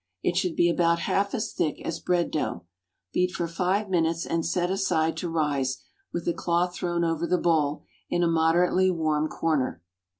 It should be about half as thick as bread dough. Beat for five minutes and set aside to rise, with a cloth thrown over the bowl, in a moderately warm corner.